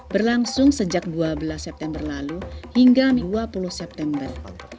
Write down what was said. berlangsung sejak dua belas september lalu hingga dua puluh september